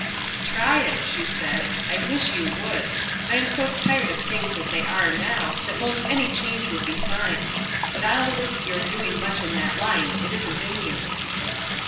"Try it," she said; "I wish you would! I'm so tired of things as they now are, that most any change would be fine. But I'll risk your doing much in that line; it isn't in you."